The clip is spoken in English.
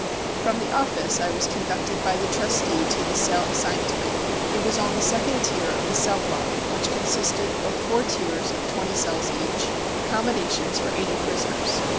From the office, I was conducted by the trusty to the cell assigned to me. It was on the second tier of the cell block which consisted of four tiers of twenty cells each — accommodations for eigthy prisoners.